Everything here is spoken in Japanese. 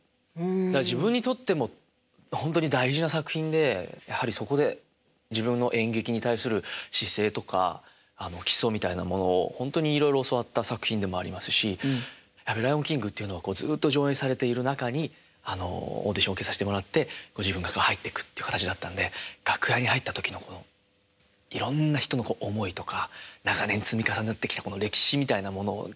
自分にとってもほんとに大事な作品でやはりそこで自分の演劇に対する姿勢とか基礎みたいなものをほんとにいろいろ教わった作品でもありますしやっぱ「ライオンキング」っていうのはずっと上演されている中にあのオーディション受けさせてもらって自分が入ってくって形だったんで楽屋に入った時のこのいろんな人の思いとか長年積み重なってきたこの歴史みたいなものをクッて感じて